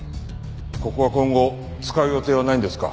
ここは今後使う予定はないんですか？